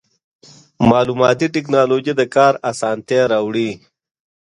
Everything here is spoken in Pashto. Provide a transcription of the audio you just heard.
مالوماتي ټکنالوژي د کار اسانتیا راوړي.